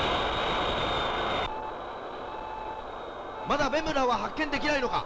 まだベムラーは発見できないのか。